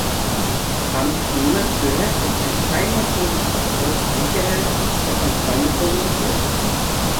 Haben Sie schon jemals gehört, dass ein einmotoriges Flugzeug sicherer als ein zweimotoriges ist?